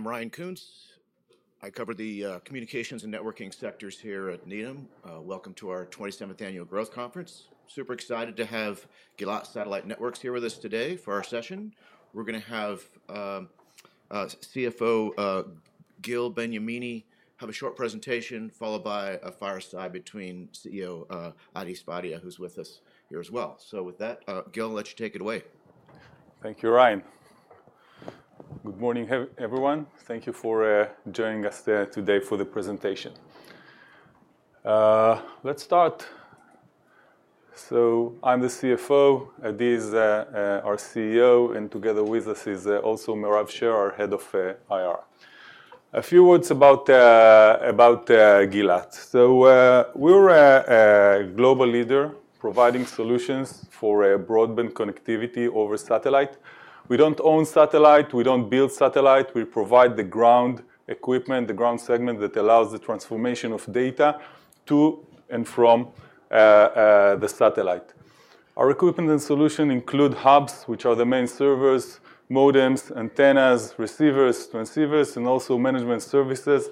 Hi, I'm Ryan Koontz. I cover the communications and networking sectors here at Needham. Welcome to our 27th Annual Growth Conference. Super excited to have Gilat Satellite Networks here with us today for our session. We're going to have CFO Gil Benyamini have a short presentation, followed by a fireside between CEO Adi Sfadia, who's with us here as well. So with that, Gil, let's take it away. Thank you, Ryan. Good morning, everyone. Thank you for joining us today for the presentation. Let's start. So I'm the CFO. Adi is our CEO, and together with us is also Mayrav Sher, our Head of IR. A few words about Gilat. So we're a global leader providing solutions for broadband connectivity over satellite. We don't own satellite. We don't build satellite. We provide the ground equipment, the ground segment that allows the transformation of data to and from the satellite. Our equipment and solution include hubs, which are the main servers, modems, antennas, receivers, transceivers, and also management services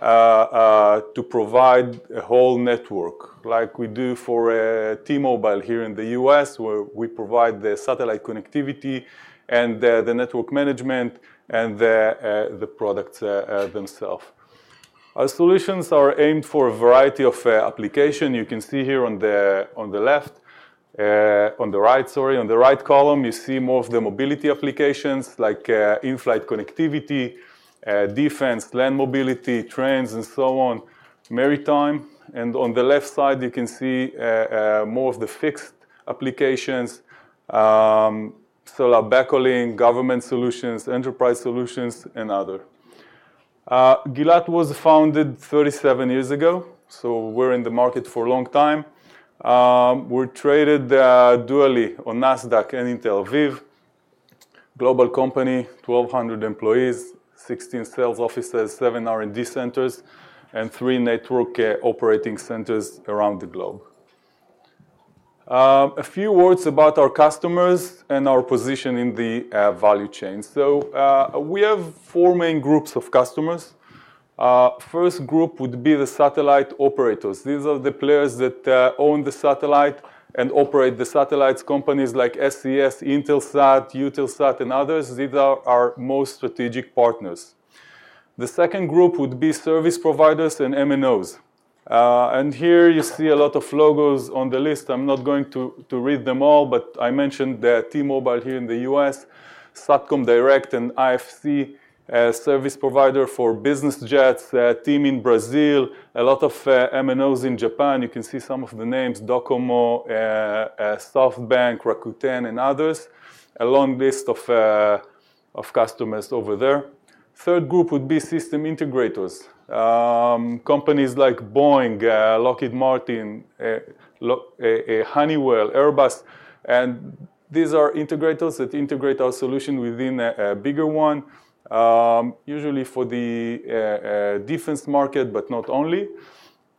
to provide a whole network, like we do for T-Mobile here in the U.S., where we provide the satellite connectivity and the network management and the products themselves. Our solutions are aimed for a variety of applications. You can see here on the left, on the right, sorry, on the right column. You see more of the mobility applications, like in-flight connectivity, defense, land mobility, trains, and so on, maritime. On the left side, you can see more of the fixed applications: cellular backhauling, government solutions, enterprise solutions, and others. Gilat was founded 37 years ago, so we're in the market for a long time. We're traded dually on NASDAQ and Tel Aviv, a global company, 1,200 employees, 16 sales offices, seven R&D centers, and three network operating centers around the globe. A few words about our customers and our position in the value chain. We have four main groups of customers. First group would be the satellite operators. These are the players that own the satellite and operate the satellites, companies like SES, Intelsat, Eutelsat, and others. These are our most strategic partners. The second group would be service providers and MNOs. And here you see a lot of logos on the list. I'm not going to read them all, but I mentioned T-Mobile here in the U.S., Satcom Direct, an IFC, a service provider for business jets, TIM in Brazil, a lot of MNOs in Japan. You can see some of the names: Docomo, SoftBank, Rakuten, and others, a long list of customers over there. Third group would be system integrators, companies like Boeing, Lockheed Martin, Honeywell, Airbus. And these are integrators that integrate our solution within a bigger one, usually for the defense market, but not only.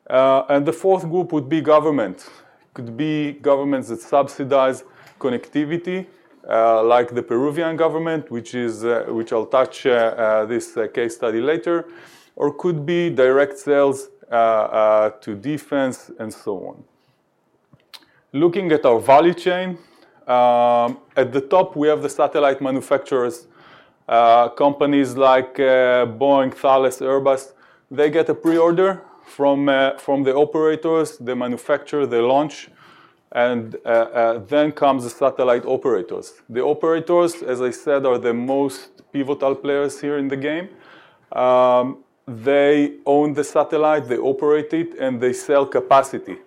And the fourth group would be government. It could be governments that subsidize connectivity, like the Peruvian government, which I'll touch on this case study later, or could be direct sales to defense and so on. Looking at our value chain, at the top, we have the satellite manufacturers, companies like Boeing, Thales, Airbus. They get a preorder from the operators. They manufacture, they launch, and then come the satellite operators. The operators, as I said, are the most pivotal players here in the game. They own the satellite, they operate it, and they sell capacity.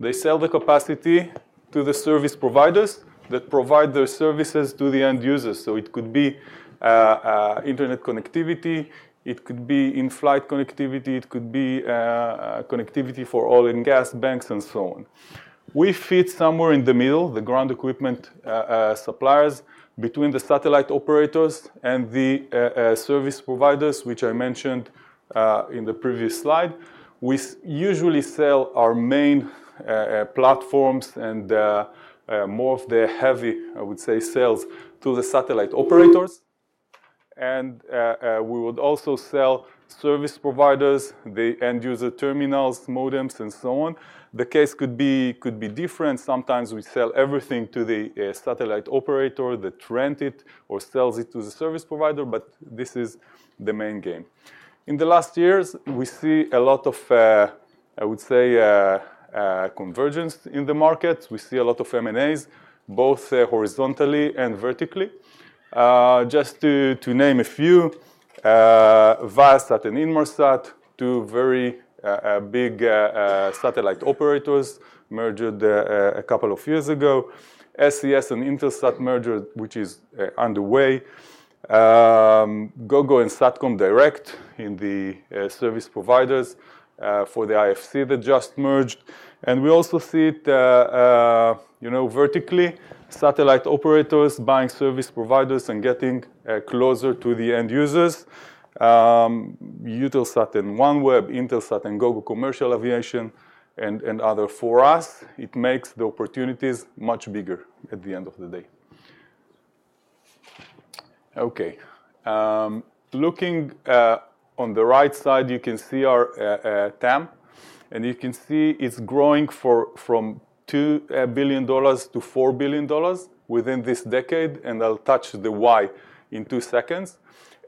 They sell the capacity to the service providers that provide their services to the end users. So it could be internet connectivity. It could be in-flight connectivity. It could be connectivity for oil and gas, banks, and so on. We fit somewhere in the middle, the ground equipment suppliers, between the satellite operators and the service providers, which I mentioned in the previous slide. We usually sell our main platforms and more of the heavy, I would say, sales to the satellite operators. And we would also sell service providers, the end user terminals, modems, and so on. The case could be different. Sometimes we sell everything to the satellite operator that rents it or sells it to the service provider, but this is the main game. In the last years, we see a lot of, I would say, convergence in the market. We see a lot of M&As, both horizontally and vertically. Just to name a few, Viasat and Inmarsat, two very big satellite operators, merged a couple of years ago. SES and Intelsat merger, which is underway. Gogo and Satcom Direct in the service providers for the IFC that just merged. And we also see it vertically, satellite operators buying service providers and getting closer to the end users. Eutelsat and OneWeb, Intelsat and Gogo Commercial Aviation, and others. For us, it makes the opportunities much bigger at the end of the day. Okay. Looking on the right side, you can see our TAM, and you can see it's growing from $2 billion to $4 billion within this decade, and I'll touch the why in two seconds.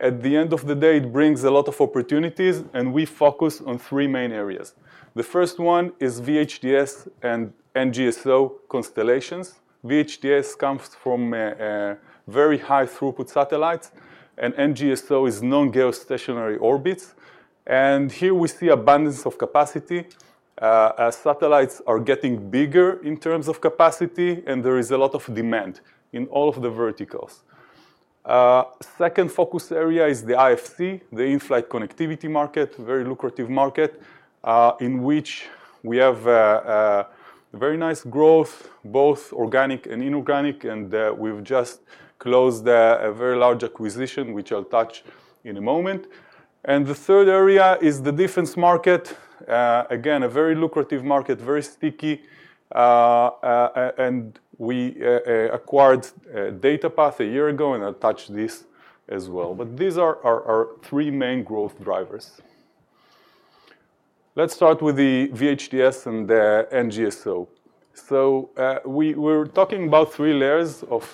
At the end of the day, it brings a lot of opportunities, and we focus on three main areas. The first one is VHTS and NGSO constellations. VHTS comes from very high throughput satellites, and NGSO is non-geostationary orbits. Here we see abundance of capacity. Satellites are getting bigger in terms of capacity, and there is a lot of demand in all of the verticals. Second focus area is the IFC, the in-flight connectivity market, a very lucrative market in which we have very nice growth, both organic and inorganic. We've just closed a very large acquisition, which I'll touch in a moment. The third area is the defense market. Again, a very lucrative market, very sticky. We acquired DataPath a year ago, and I'll touch this as well. These are our three main growth drivers. Let's start with the VHTS and the NGSO. We're talking about three layers of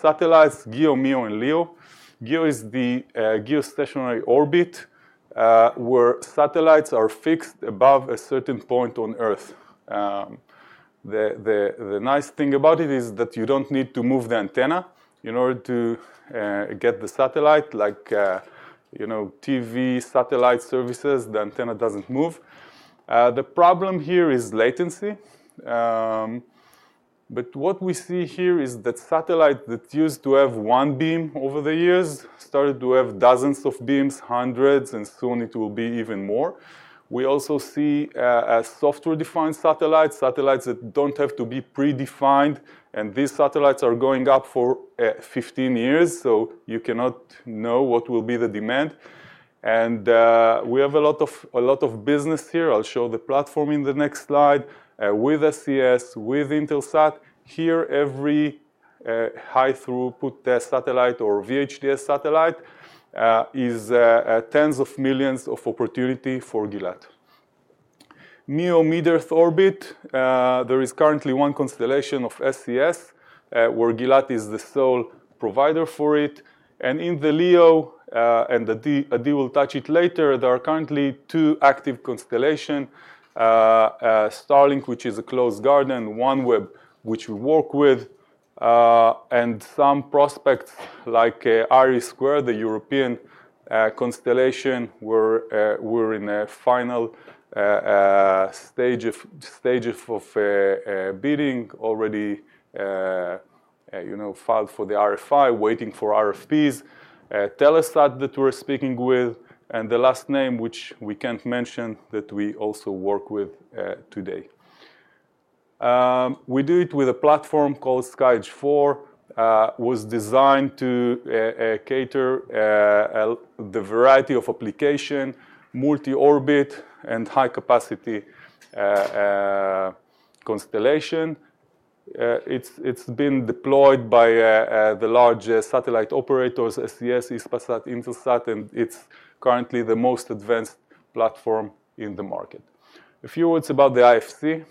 satellites: GEO, MEO, and LEO. GEO is the geostationary orbit where satellites are fixed above a certain point on Earth. The nice thing about it is that you don't need to move the antenna in order to get the satellite, like TV satellite services. The antenna doesn't move. The problem here is latency. What we see here is that satellites that used to have one beam over the years started to have dozens of beams, hundreds, and soon it will be even more. We also see software-defined satellites, satellites that don't have to be predefined. And these satellites are going up for 15 years, so you cannot know what will be the demand. And we have a lot of business here. I'll show the platform in the next slide with SES, with Intelsat. Here, every high-throughput satellite or VHTS satellite is tens of millions of opportunity for Gilat. MEO, medium-Earth orbit. There is currently one constellation of SES where Gilat is the sole provider for it. And in the LEO, and Adi will touch it later, there are currently two active constellations: Starlink, which is a closed garden, OneWeb, which we work with, and some prospects like IRIS², the European constellation, where we're in a final stage of bidding, already filed for the RFI, waiting for RFPs. Telesat that we're speaking with, and the last name which we can't mention that we also work with today. We do it with a platform called SkyEdge IV, was designed to cater the variety of application, multi-orbit, and high-capacity constellation. It's been deployed by the large satellite operators, SES, Hispasat, Intelsat, and it's currently the most advanced platform in the market. A few words about the IFC.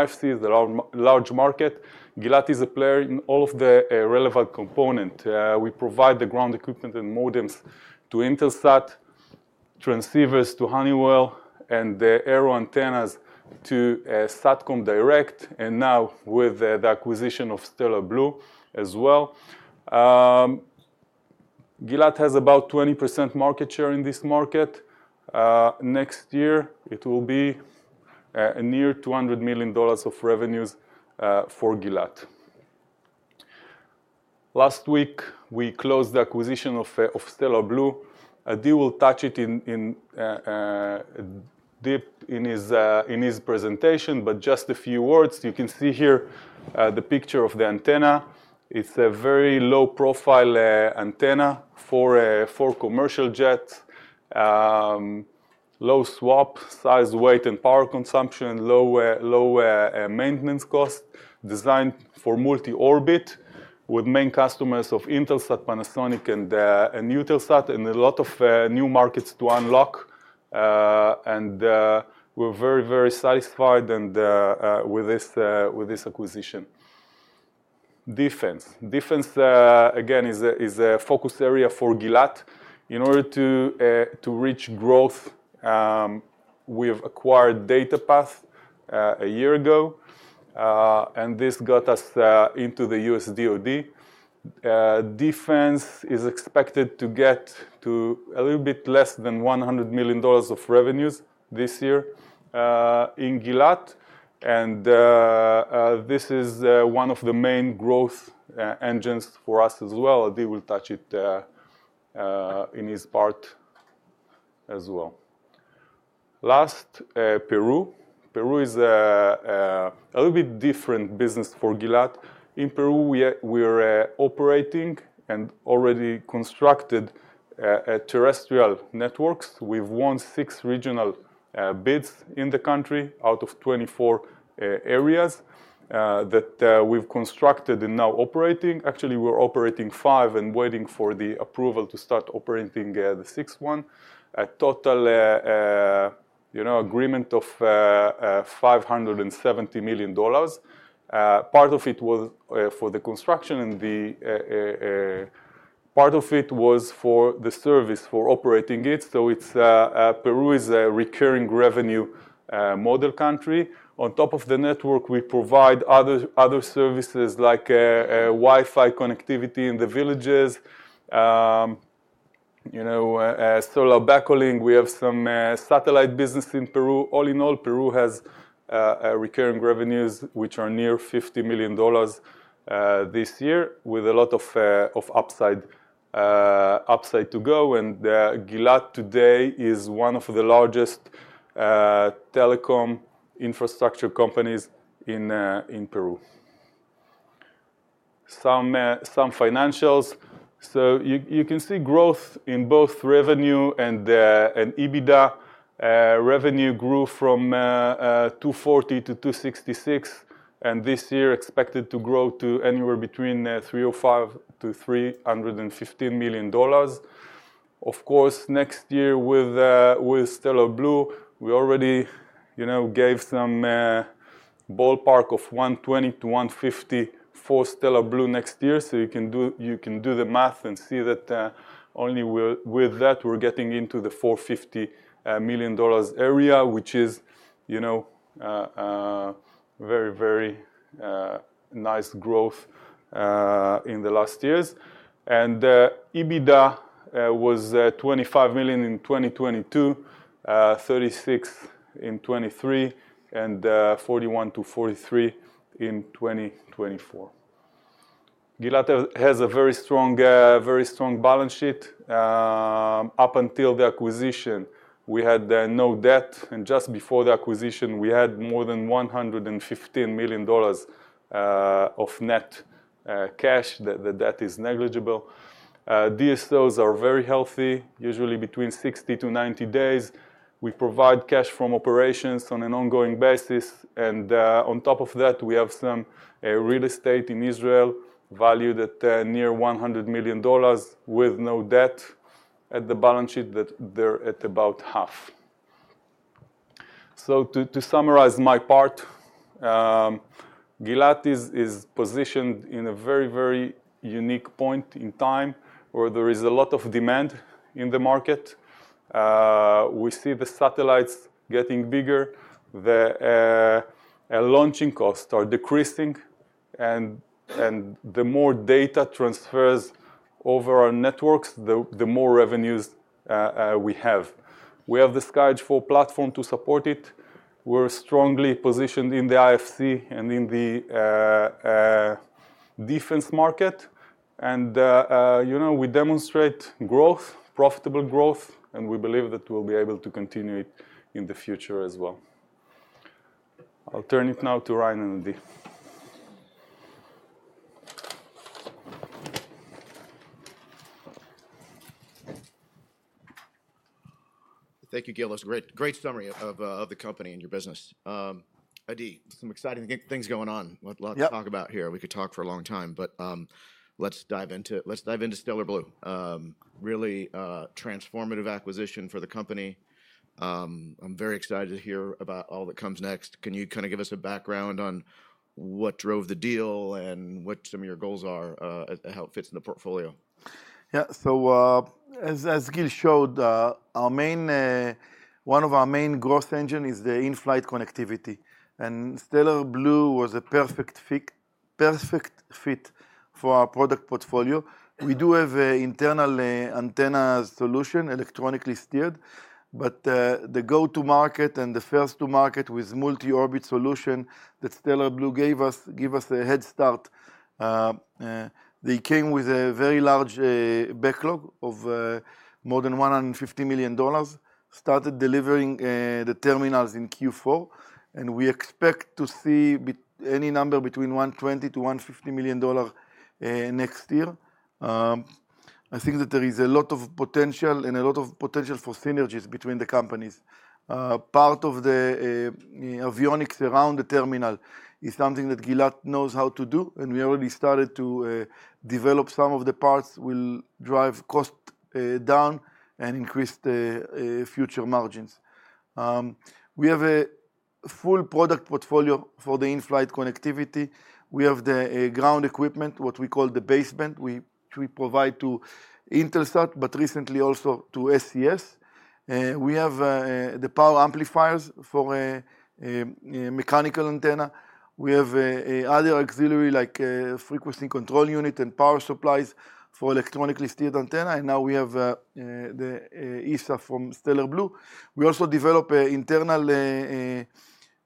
IFC is a large market. Gilat is a player in all of the relevant components. We provide the ground equipment and modems to Intelsat, transceivers to Honeywell, and the aero antennas to Satcom Direct, and now with the acquisition of Stellar Blu as well. Gilat has about 20% market share in this market. Next year, it will be near $200 million of revenues for Gilat. Last week, we closed the acquisition of Stellar Blu. Adi will touch on it a bit in his presentation, but just a few words. You can see here the picture of the antenna. It's a very low-profile antenna for commercial jets, low SWaP size, weight, and power consumption, low maintenance cost, designed for multi-orbit, with main customers of Intelsat, Panasonic, and Eutelsat, and a lot of new markets to unlock, and we're very, very satisfied with this acquisition. Defense. Defense, again, is a focus area for Gilat. In order to reach growth, we have acquired DataPath a year ago, and this got us into the U.S. DoD. Defense is expected to get to a little bit less than $100 million of revenues this year in Gilat. And this is one of the main growth engines for us as well. Adi will touch on it in his part as well. Last, Peru. Peru is a little bit different business for Gilat. In Peru, we are operating and already constructed terrestrial networks. We've won six regional bids in the country out of 24 areas that we've constructed and now operating. Actually, we're operating five and waiting for the approval to start operating the sixth one. A total agreement of $570 million. Part of it was for the construction, and part of it was for the service for operating it. So Peru is a recurring revenue model country. On top of the network, we provide other services like Wi-Fi connectivity in the villages, cellular backhauling. We have some satellite business in Peru. All in all, Peru has recurring revenues, which are near $50 million this year, with a lot of upside to go. And Gilat today is one of the largest telecom infrastructure companies in Peru. Some financials. So you can see growth in both revenue and EBITDA. Revenue grew from $240-$266 million, and this year expected to grow to anywhere between $305-$315 million. Of course, next year with Stellar Blu, we already gave some ballpark of $120-$150 for Stellar Blu next year. So you can do the math and see that only with that, we're getting into the $450 million area, which is a very, very nice growth in the last years. And EBITDA was $25 million in 2022, $36 million in 2023, and $41-$43 million in 2024. Gilat has a very strong balance sheet. Up until the acquisition, we had no debt. And just before the acquisition, we had more than $115 million of net cash. The debt is negligible. DSOs are very healthy, usually between 60-90 days. We provide cash from operations on an ongoing basis. On top of that, we have some real estate in Israel valued at near $100 million with no debt at the balance sheet that they're at about half. To summarize my part, Gilat is positioned in a very, very unique point in time where there is a lot of demand in the market. We see the satellites getting bigger. The launching costs are decreasing. And the more data transfers over our networks, the more revenues we have. We have the SkyEdge IV platform to support it. We're strongly positioned in the IFC and in the defense market. And we demonstrate growth, profitable growth, and we believe that we'll be able to continue it in the future as well. I'll turn it now to Ryan and Adi. Thank you, Gil. That was a great summary of the company and your business. Adi, some exciting things going on. A lot to talk about here. We could talk for a long time, but let's dive into Stellar Blu. Really transformative acquisition for the company. I'm very excited to hear about all that comes next. Can you kind of give us a background on what drove the deal and what some of your goals are and how it fits in the portfolio? Yeah. So as Gil showed, one of our main growth engines is the in-flight connectivity. And Stellar Blu was a perfect fit for our product portfolio. We do have an internal antenna solution, electronically steered. But the go-to-market and the first-to-market with multi-orbit solution that Stellar Blu gave us gave us a head start. They came with a very large backlog of more than $150 million, started delivering the terminals in Q4. And we expect to see any number between $120-$150 million next year. I think that there is a lot of potential for synergies between the companies. Part of the avionics around the terminal is something that Gilat knows how to do. And we already started to develop some of the parts will drive cost down and increase the future margins. We have a full product portfolio for the in-flight connectivity. We have the ground equipment, what we call the basement. We provide to Intelsat, but recently also to SES. We have the power amplifiers for a mechanical antenna. We have other auxiliary like frequency control unit and power supplies for electronically steered antenna. And now we have the ESA from Stellar Blu. We also develop an internal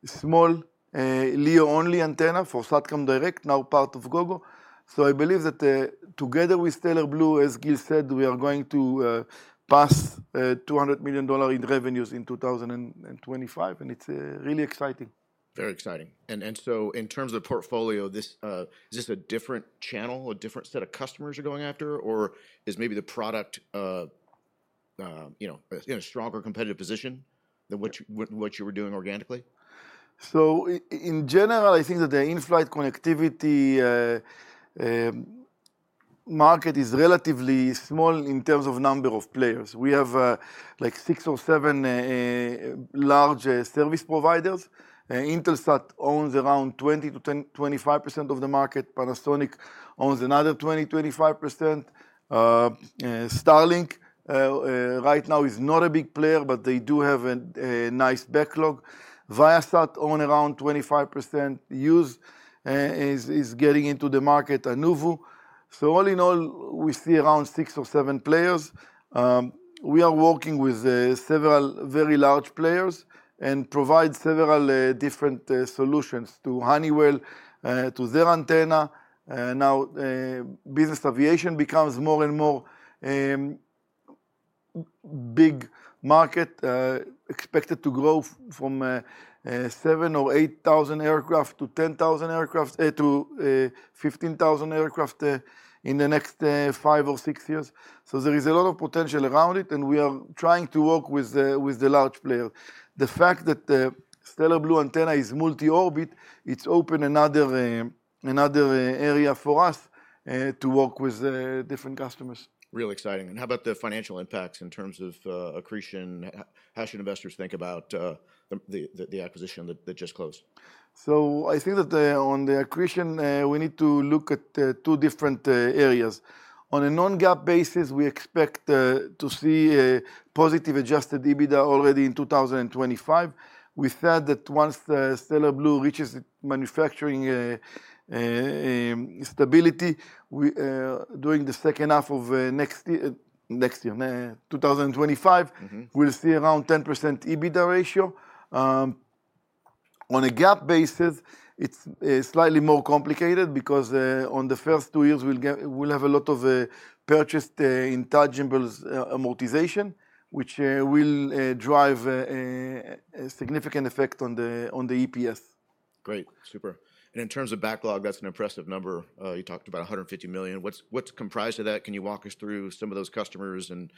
small LEO-only antenna for Satcom Direct, now part of Gogo. So I believe that together with Stellar Blu, as Gil said, we are going to pass $200 million in revenues in 2025. And it's really exciting. Very exciting, and so in terms of the portfolio, is this a different channel, a different set of customers you're going after, or is maybe the product in a stronger competitive position than what you were doing organically? So in general, I think that the in-flight connectivity market is relatively small in terms of number of players. We have like six or seven large service providers. Intelsat owns around 20%-25% of the market. Panasonic owns another 20%-25%. Starlink right now is not a big player, but they do have a nice backlog. Viasat own around 25%. Hughes is getting into the market, Anuvu. So all in all, we see around six or seven players. We are working with several very large players and provide several different solutions to Honeywell, to their antenna. Now, business aviation becomes more and more a big market, expected to grow from 7,000 or 8,000 aircraft to 10,000 aircraft to 15,000 aircraft in the next five or six years. So there is a lot of potential around it, and we are trying to work with the large players. The fact that Stellar Blu antenna is multi-orbit. It's opened another area for us to work with different customers. Really exciting. And how about the financial impacts in terms of accretion? How should investors think about the acquisition that just closed? So I think that on the accretion, we need to look at two different areas. On a non-GAAP basis, we expect to see positive adjusted EBITDA already in 2025. We said that once Stellar Blu reaches manufacturing stability, during the second half of next year, 2025, we'll see around 10% EBITDA ratio. On a GAAP basis, it's slightly more complicated because on the first two years, we'll have a lot of purchased intangibles amortization, which will drive a significant effect on the EPS. Great. Super. And in terms of backlog, that's an impressive number. You talked about $150 million. What's comprised of that? Can you walk us through some of those customers, and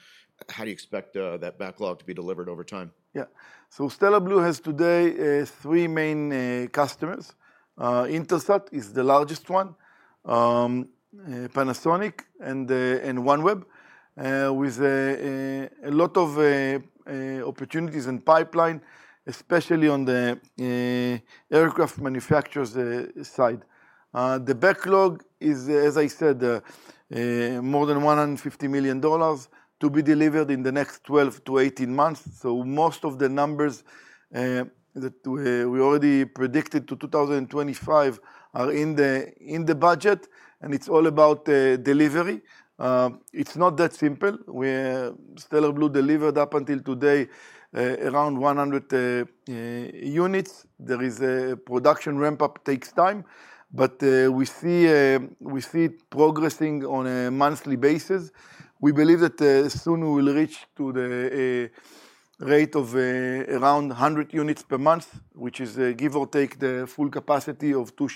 how do you expect that backlog to be delivered over time? Yeah. So Stellar Blu has today three main customers. Intelsat is the largest one, Panasonic, and OneWeb, with a lot of opportunities and pipeline, especially on the aircraft manufacturers' side. The backlog is, as I said, more than $150 million to be delivered in the next 12-18 months. So most of the numbers that we already predicted to 2025 are in the budget, and it's all about delivery. It's not that simple. Stellar Blu delivered up until today around 100 units. There is a production ramp-up that takes time, but we see it progressing on a monthly basis. We believe that soon we will reach to the rate of around 100 units per month, which is, give or take, the full capacity of two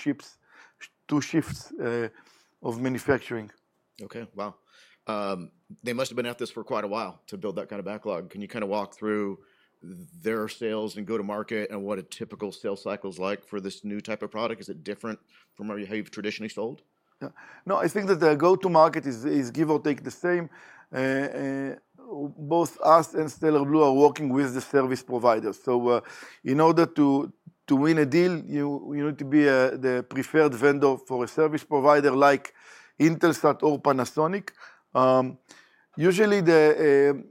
shifts of manufacturing. Okay. Wow. They must have been at this for quite a while to build that kind of backlog. Can you kind of walk through their sales and go-to-market and what a typical sales cycle is like for this new type of product? Is it different from how you've traditionally sold? Yeah. No, I think that the go-to-market is, give or take, the same. Both us and Stellar Blu are working with the service providers. So in order to win a deal, you need to be the preferred vendor for a service provider like Intelsat or Panasonic. Usually, the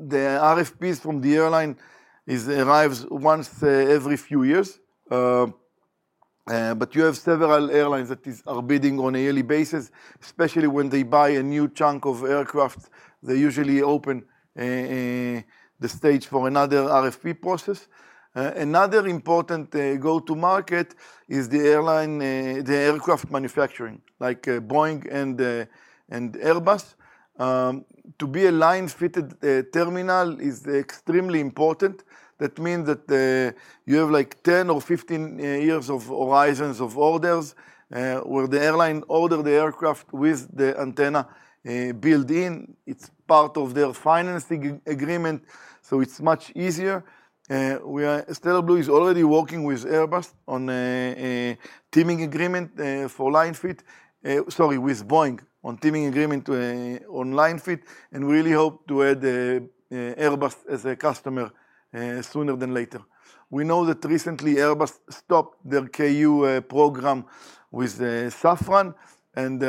RFPs from the airline arrive once every few years, but you have several airlines that are bidding on a yearly basis, especially when they buy a new chunk of aircraft. They usually open the stage for another RFP process. Another important go-to-market is the aircraft manufacturing, like Boeing and Airbus. To be a line-fit terminal is extremely important. That means that you have like 10 or 15 years of horizons of orders where the airline orders the aircraft with the antenna built in. It's part of their financing agreement, so it's much easier. Stellar Blu is already working with Airbus on a teaming agreement for line fit. Sorry, with Boeing on teaming agreement on line fit. And we really hope to add Airbus as a customer sooner than later. We know that recently Airbus stopped their Ku program with Safran. And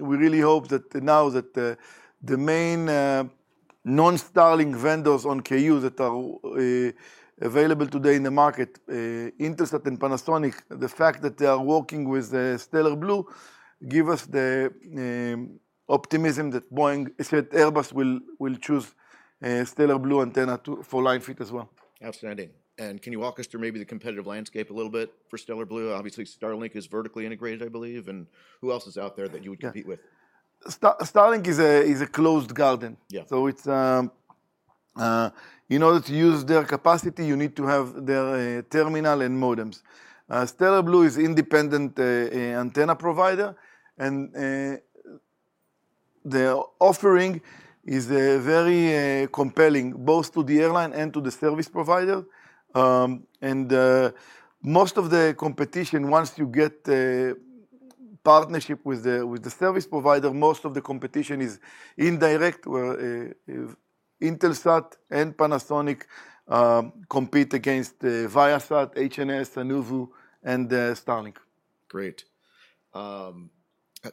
we really hope that now that the main non-Starlink vendors on Ku that are available today in the market, Intelsat and Panasonic, the fact that they are working with Stellar Blu gives us the optimism that Airbus will choose Stellar Blu antenna for line fit as well. Absolutely. And can you walk us through maybe the competitive landscape a little bit for Stellar Blu? Obviously, Starlink is vertically integrated, I believe. And who else is out there that you would compete with? Starlink is a closed garden. So in order to use their capacity, you need to have their terminal and modems. Stellar Blu is an independent antenna provider. And their offering is very compelling, both to the airline and to the service provider. And most of the competition, once you get partnership with the service provider, most of the competition is indirect, where Intelsat and Panasonic compete against Viasat, HNS, Anuvu, and Starlink. Great.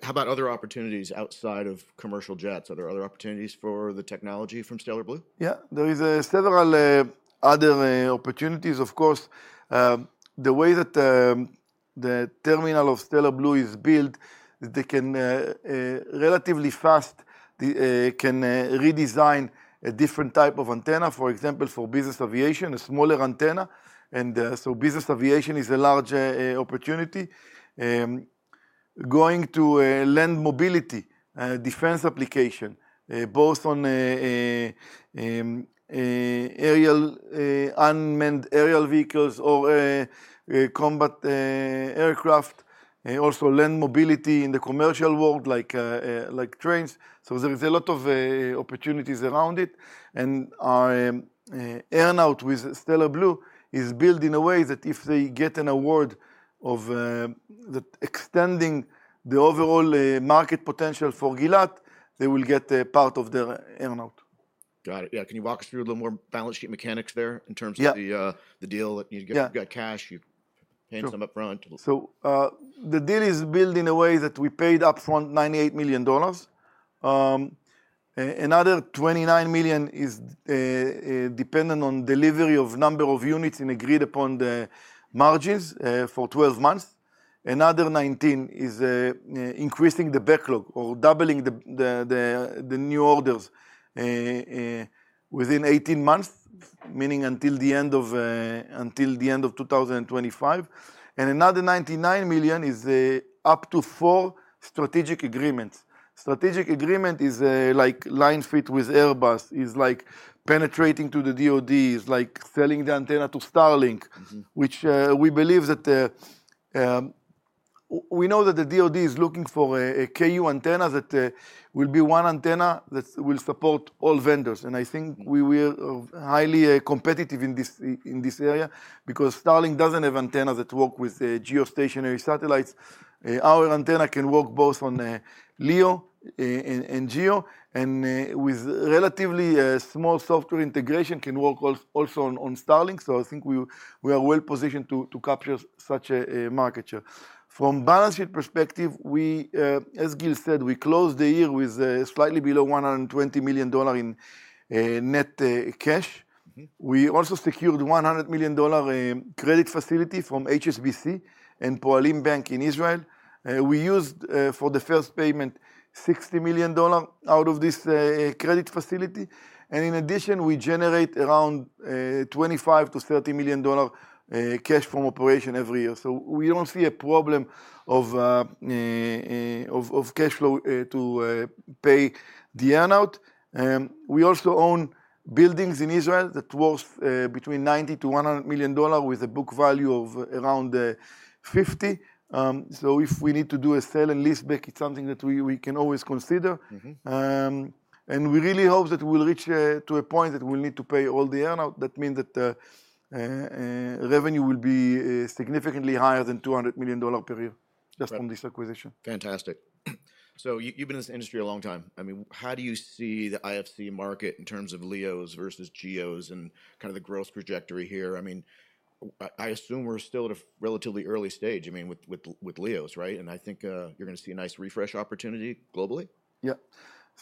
How about other opportunities outside of commercial jets? Are there other opportunities for the technology from Stellar Blu? Yeah. There are several other opportunities, of course. The way that the terminal of Stellar Blu is built, they can relatively fast redesign a different type of antenna, for example, for business aviation, a smaller antenna. And so business aviation is a large opportunity. Going to land mobility, defense application, both on unmanned aerial vehicles or combat aircraft, also land mobility in the commercial world, like trains. So there is a lot of opportunities around it. And our earn-out with Stellar Blu is built in a way that if they get an award that extends the overall market potential for Gilat, they will get part of their earn-out. Got it. Yeah. Can you walk us through a little more balance sheet mechanics there in terms of the deal? You've got cash. You paid some upfront. So the deal is built in a way that we paid upfront $98 million. Another $29 million is dependent on delivery of the number of units and agreed upon margins for 12 months. Another $19 million is increasing the backlog or doubling the new orders within 18 months, meaning until the end of 2025. And another $99 million is up to four strategic agreements. Strategic agreement is like line-fit with Airbus, is like penetrating to the DoD, is like selling the antenna to Starlink, which we believe that we know that the DoD is looking for a Ku antenna that will be one antenna that will support all vendors. And I think we are highly competitive in this area because Starlink doesn't have antennas that work with geostationary satellites. Our antenna can work both on LEO and GEO. And with relatively small software integration, can work also on Starlink. So I think we are well positioned to capture such a market share. From a balance sheet perspective, as Gil said, we closed the year with slightly below $120 million in net cash. We also secured a $100 million credit facility from HSBC and Hapoalim Bank in Israel. We used for the first payment $60 million out of this credit facility. And in addition, we generate around $25-$30 million cash from operation every year. So we don't see a problem of cash flow to pay the earn-out. We also own buildings in Israel that are worth between $90-$100 million with a book value of around $50 million. So if we need to do a sale and lease back, it's something that we can always consider. And we really hope that we'll reach to a point that we'll need to pay all the earn-out. That means that revenue will be significantly higher than $200 million per year, just from this acquisition. Fantastic. So you've been in this industry a long time. I mean, how do you see the IFC market in terms of LEOs versus GEOs and kind of the growth trajectory here? I mean, I assume we're still at a relatively early stage, I mean, with LEOs, right? And I think you're going to see a nice refresh opportunity globally. Yeah.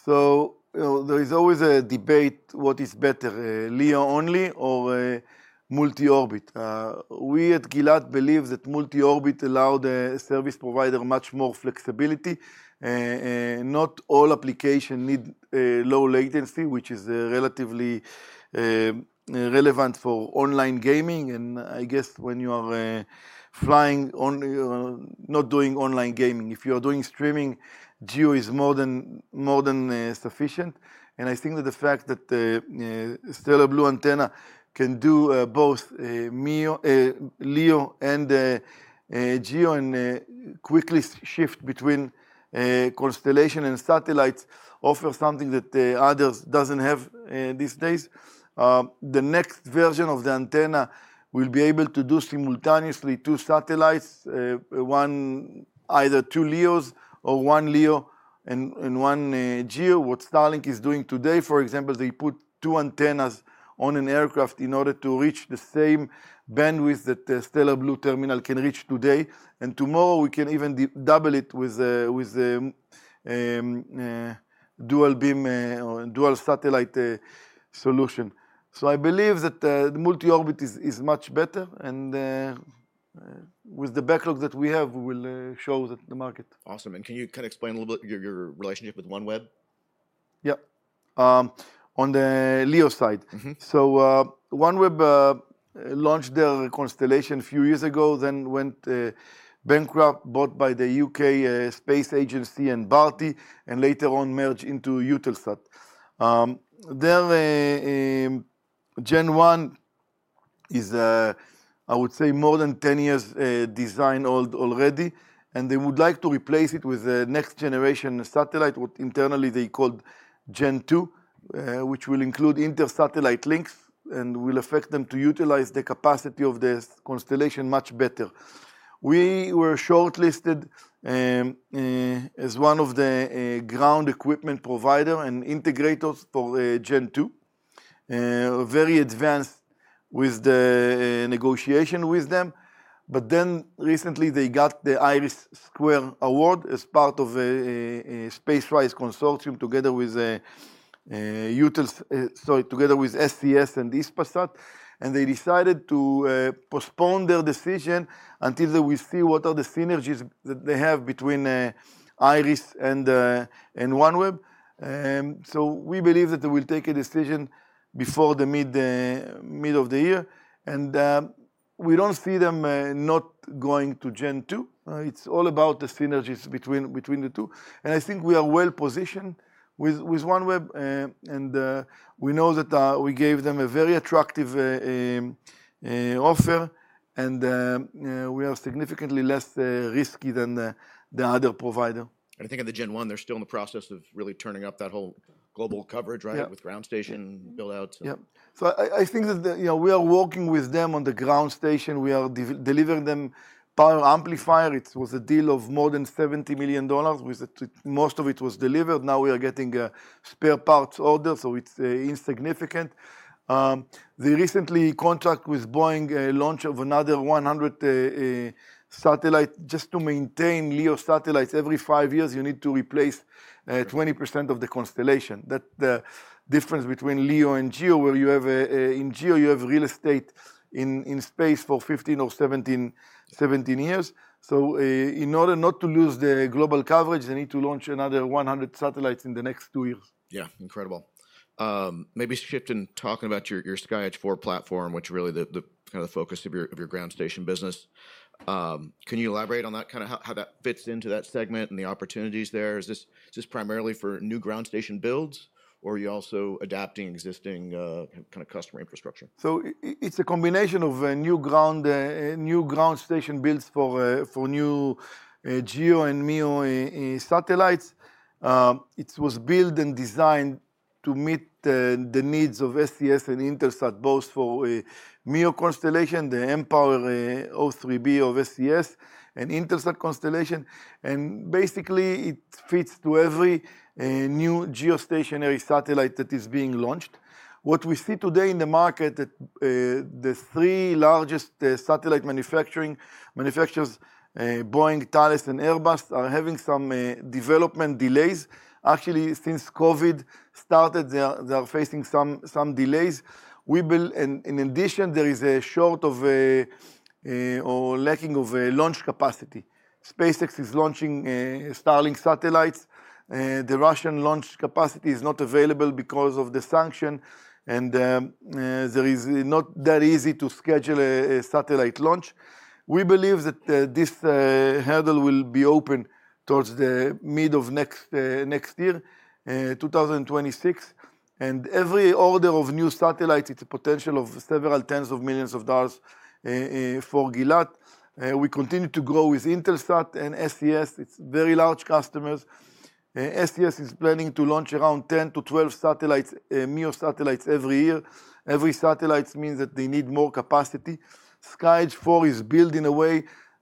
So there is always a debate what is better, LEO only or multi-orbit. We at Gilat believe that multi-orbit allows the service provider much more flexibility. Not all applications need low latency, which is relatively relevant for online gaming. And I guess when you are flying, not doing online gaming, if you are doing streaming, GEO is more than sufficient. And I think that the fact that Stellar Blu antenna can do both LEO and GEO and quickly shift between constellation and satellites offers something that others don't have these days. The next version of the antenna will be able to do simultaneously two satellites, either two LEOs or one LEO and one GEO, what Starlink is doing today. For example, they put two antennas on an aircraft in order to reach the same bandwidth that Stellar Blu terminal can reach today. Tomorrow, we can even double it with a dual beam or dual satellite solution. I believe that multi-orbit is much better. With the backlog that we have, we will show that to the market. Awesome. And can you kind of explain a little bit your relationship with OneWeb? Yeah. On the LEO side, so OneWeb launched their constellation a few years ago, then went bankrupt, bought by the UK Space Agency and Bharti, and later on merged into Eutelsat. Their Gen 1 is, I would say, more than 10 years designed already. They would like to replace it with a next-generation satellite, what internally they called Gen 2, which will include inter-satellite links and will affect them to utilize the capacity of the constellation much better. We were shortlisted as one of the ground equipment providers and integrators for Gen 2, very advanced with the negotiation with them. But then recently, they got the IRIS² award as part of a SpaceRISE Consortium together with Eutelsat, sorry, together with SES and Hispasat. They decided to postpone their decision until we see what are the synergies that they have between IRIS and OneWeb. So we believe that they will take a decision before the mid of the year. And we don't see them not going to Gen 2. It's all about the synergies between the two. And I think we are well positioned with OneWeb. And we know that we gave them a very attractive offer. And we are significantly less risky than the other provider. I think at the Gen 1, they're still in the process of really turning up that whole global coverage, right, with ground station build-outs. Yeah. So I think that we are working with them on the ground station. We are delivering them power amplifiers. It was a deal of more than $70 million, with most of it was delivered. Now we are getting spare parts ordered, so it's insignificant. They recently contracted with Boeing a launch of another 100 satellites. Just to maintain LEO satellites, every five years, you need to replace 20% of the constellation. That's the difference between LEO and GEO, where in GEO, you have real estate in space for 15 or 17 years. So in order not to lose the global coverage, they need to launch another 100 satellites in the next two years. Yeah. Incredible. Maybe shift in talking about your SkyEdge IV platform, which is really kind of the focus of your ground station business. Can you elaborate on that, kind of how that fits into that segment and the opportunities there? Is this primarily for new ground station builds, or are you also adapting existing kind of customer infrastructure? It's a combination of new ground station builds for new GEO and MEO satellites. It was built and designed to meet the needs of SES and Eutelsat, both for MEO constellation, the O3b mPOWER of SES, and Eutelsat constellation. Basically, it fits to every new geostationary satellite that is being launched. What we see today in the market, the three largest satellite manufacturers, Boeing, Thales, and Airbus, are having some development delays. Actually, since COVID started, they are facing some delays. In addition, there is a shortage or lack of launch capacity. SpaceX is launching Starlink satellites. The Russian launch capacity is not available because of the sanctions. It is not that easy to schedule a satellite launch. We believe that this hurdle will be over towards the mid of next year, 2026. And every order of new satellites, it's a potential of several tens of millions of dollars for Gilat. We continue to grow with Eutelsat and SES. They're very large customers. SES is planning to launch around 10 to 12 satellites, MEO satellites every year. Every satellite means that they need more capacity. SkyEdge IV is built in a way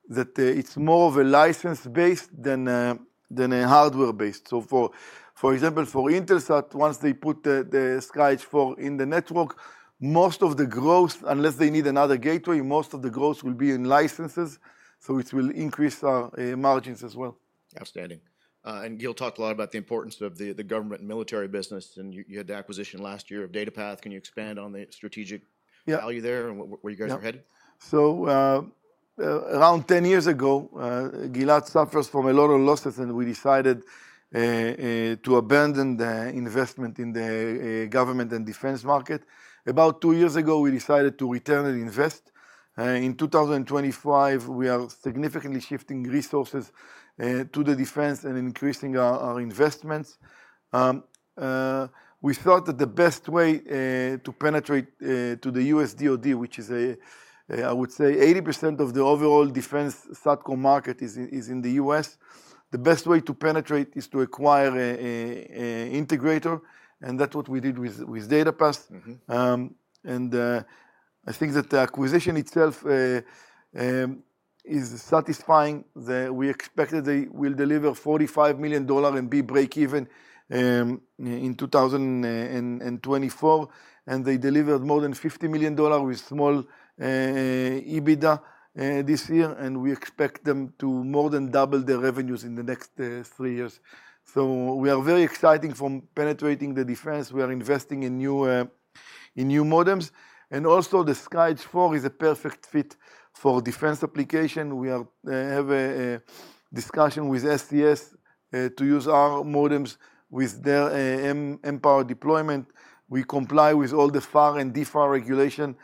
that it's more of a license-based than a hardware-based. So for example, for Eutelsat, once they put the SkyEdge IV in the network, most of the growth, unless they need another gateway, most of the growth will be in licenses. So it will increase our margins as well. Absolutely. And Gil talked a lot about the importance of the government and military business. And you had the acquisition last year of DataPath. Can you expand on the strategic value there and where you guys are headed? So around 10 years ago, Gilat suffers from a lot of losses, and we decided to abandon the investment in the government and defense market. About two years ago, we decided to return and invest. In 2025, we are significantly shifting resources to the defense and increasing our investments. We thought that the best way to penetrate to the U.S. DoD, which is, I would say, 80% of the overall defense satcom market is in the U.S., the best way to penetrate is to acquire an integrator. And that's what we did with DataPath. And I think that the acquisition itself is satisfying. We expected they will deliver $45 million and be break-even in 2024. And they delivered more than $50 million with small EBITDA this year. And we expect them to more than double their revenues in the next three years. We are very excited from penetrating the defense. We are investing in new modems. Also, the SkyEdge IV is a perfect fit for defense application. We have a discussion with SES to use our modems with their mPOWER deployment. We comply with all the FAR and DFARS regulation.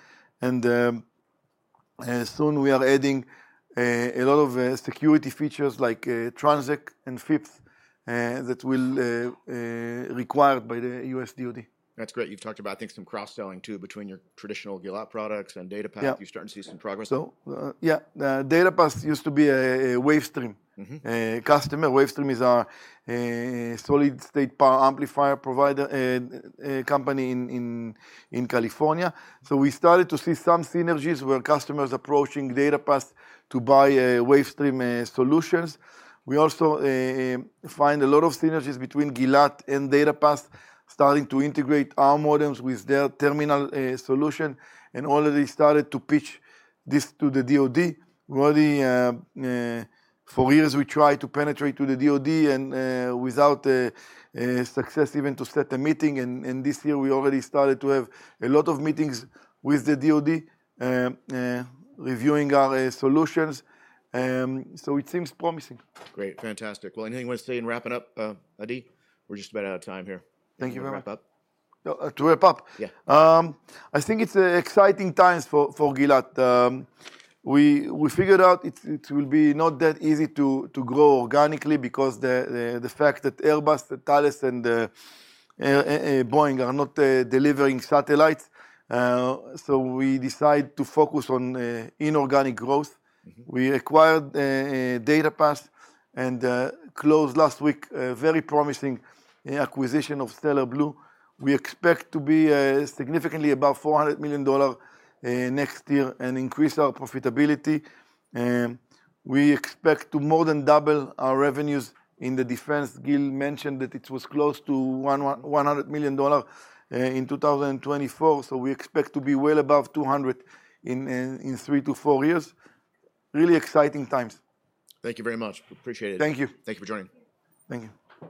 Soon, we are adding a lot of security features like TRANSEC and FIPS that will be required by the U.S. DoD. That's great. You've talked about, I think, some cross-selling too between your traditional Gilat products and DataPath. You're starting to see some progress. So yeah, DataPath used to be a Wavestream customer. Wavestream is a solid-state power amplifier provider company in California. So we started to see some synergies where customers are approaching DataPath to buy Wavestream solutions. We also find a lot of synergies between Gilat and DataPath starting to integrate our modems with their terminal solution. And already started to pitch this to the DoD. For years, we tried to penetrate to the DoD without success, even to set a meeting. And this year, we already started to have a lot of meetings with the DoD reviewing our solutions. So it seems promising. Great. Fantastic. Well, anything you want to say in wrapping up, Adi? We're just about out of time here. Thank you very much. Wrap up. To wrap up? Yeah. I think it's exciting times for Gilat. We figured out it will be not that easy to grow organically because of the fact that Airbus, Thales, and Boeing are not delivering satellites. So we decided to focus on inorganic growth. We acquired DataPath and closed last week a very promising acquisition of Stellar Blu. We expect to be significantly above $400 million next year and increase our profitability. We expect to more than double our revenues in the defense. Gil mentioned that it was close to $100 million in 2024. So we expect to be well above $200 million in three to four years. Really exciting times. Thank you very much. Appreciate it. Thank you. Thank you for joining. Thank you.